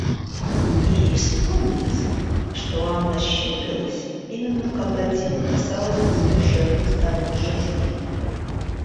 И ей вспомнилось, что Анна щурилась, именно когда дело касалось задушевных сторон жизни.